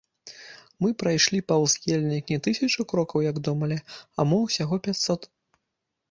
Мы прайшлі паўз ельнік не тысячу крокаў, як думалі, а мо ўсяго пяцьсот.